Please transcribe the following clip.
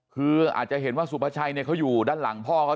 คืออาจจะเห็นว่าสุภาชัยเขาอยู่ด้านหลังพ่อเขา